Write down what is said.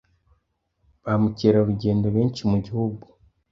ba mukerarugendo benshi mu gihugu.